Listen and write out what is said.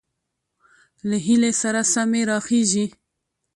له هيلې سره سمې راخېژي،